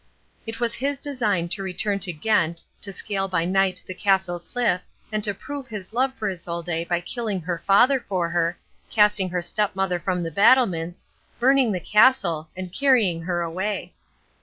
It was his design to return to Ghent, to scale by night the castle cliff and to prove his love for Isolde by killing her father for her, casting her stepmother from the battlements, burning the castle, and carrying her away.